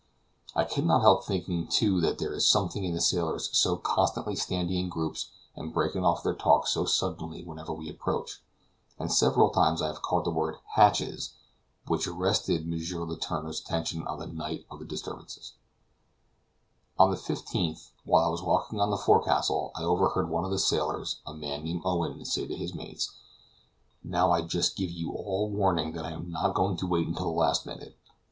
I can not help thinking too that there is something in the sailors so constantly standing in groups and breaking off their talk so suddenly whenever we approach; and several times I have caught the word "hatches" which arrested M. Letourneur's attention on the night of the disturbance. On the 15th, while I was walking on the forecastle, I overheard one of the sailors, a man named Owen, say to his mates: "Now I just give you all warning that I am not going to wait until the last minute.